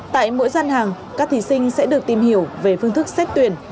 tại mỗi gian hàng các thí sinh sẽ được tìm hiểu về phương thức xét tuyển